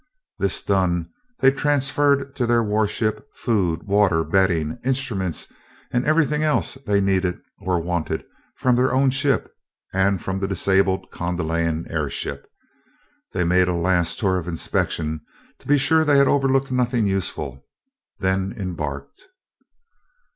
This done, they transferred to their warship food, water, bedding, instruments, and everything else they needed or wanted from their own ship and from the disabled Kondalian airship. They made a last tour of inspection to be sure they had overlooked nothing useful, then embarked.